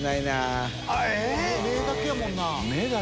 目だけやもんな。